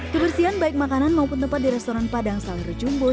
kebersihan baik makanan maupun tempat di restoran padang sawiru jumbo